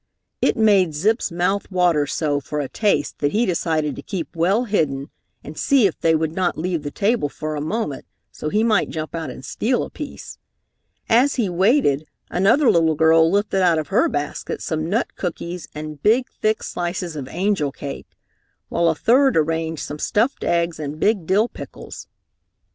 It made Zip's mouth water so for a taste that he decided to keep well hidden and see if they would not leave the table for a moment so he might jump out and steal a piece. As he waited another little girl lifted out of her basket some nut cookies and big, thick slices of angel cake, while a third arranged some stuffed eggs and big dill pickles.